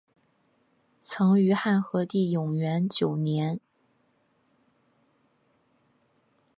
曾于汉和帝永元九年。